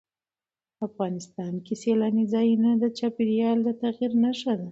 افغانستان کې سیلانی ځایونه د چاپېریال د تغیر نښه ده.